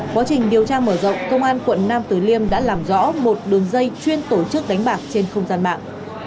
quá trình điều tra mở rộng công an quận nam tử liêm đã làm rõ một đường dây chuyên tổ chức đánh bạc trên không gian mạng